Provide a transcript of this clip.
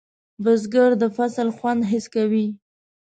بزګر د فصل خوند حس کوي